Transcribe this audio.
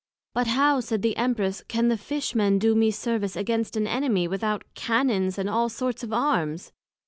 But how, said the Empress, can the Fish men do me service against an Enemy, without Cannons and all sorts of Arms?